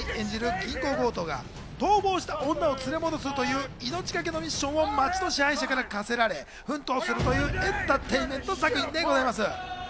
銀行強盗が逃亡した女を連れ戻すという命懸けのミッションを街の支配者から課せられ奮闘するというエンターテインメント作品です。